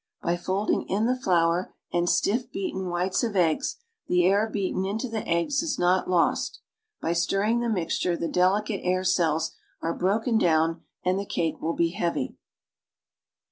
By folding in the flour and stiff beaten whites of eggs the air beaten into the eggs is not lost; by stirring the mixture the delicate air cells are broken down and the cake will be heavy.